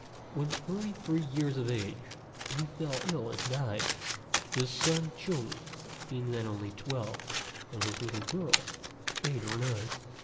When thirty three years of age he fell ill and died, his son Chung being then only twelve and his little girl eight or nine.